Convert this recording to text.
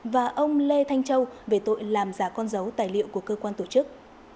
và ông lê thanh châu về tội làm giả con dấu tài liệu của cơ quan tổ chức